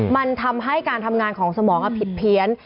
มันทำให้การทำงานของสมองผิดเพี้ยน